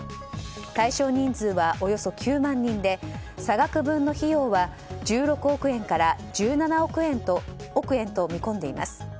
対象人数はおよそ９万人で差額分の費用は１６億円から１７億円と見込んでいます。